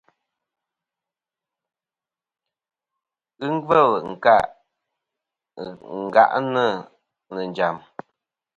Ghɨ ngvêl nkâʼ ngàʼnɨ̀ nɨ̀ njàm.